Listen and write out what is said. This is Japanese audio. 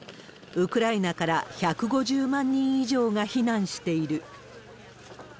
ウクライナから１５０万人以上が避難している。